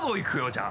じゃあ。